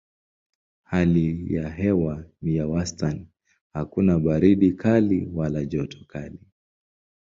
Hali ya hewa ni ya wastani: hakuna baridi kali wala joto kali.